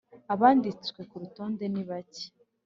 Abanditswe k ‘urutonde nibake.